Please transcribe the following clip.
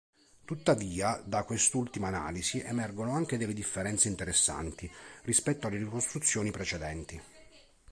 Tuttavia da quest'ultima analisi emergono anche delle differenze interessanti, rispetto alle ricostruzioni precedenti.